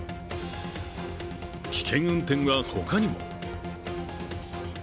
危険運転はほかにも。